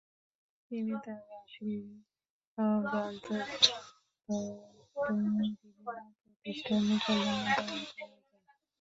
তিনি তার বাসগৃহ ও গ্রন্থস্বত্বও বিভিন্ন প্রতিষ্ঠানের কল্যাণে দান করে যান।